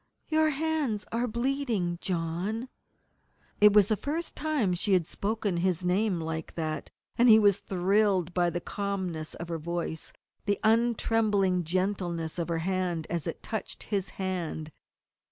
"Your hands are bleeding, John!" It was the first time she had spoken his name like that, and he was thrilled by the calmness of her voice, the untrembling gentleness of her hand as it touched his hand.